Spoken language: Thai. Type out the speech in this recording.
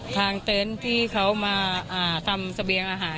เต็นต์ที่เขามาทำเสบียงอาหาร